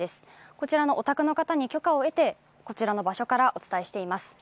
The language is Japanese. こちらのお宅の方に許可を得てこちらの場所からお伝えしています。